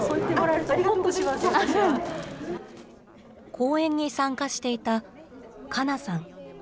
講演に参加していた、かなさん。